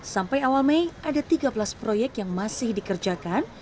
sampai awal mei ada tiga belas proyek yang masih dikerjakan